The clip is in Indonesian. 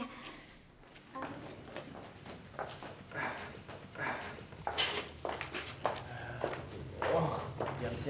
tak ada yang mau ngedes